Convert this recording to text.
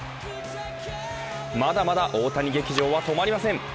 まだまだ大谷劇場は止まりません。